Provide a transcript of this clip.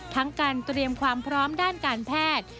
ทั้งการเตรียมความพร้อมด้านการแพทย์